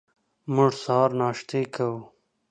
موږ سهار ناشتې کوو.